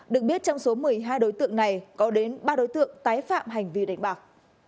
được biết trong số một mươi hai đối tượng này có đến ba đối tượng tái phạm hành vi đánh bạc